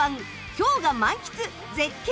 氷河満喫絶景